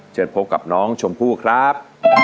เชิญพบกับน้องชมพู่ครับ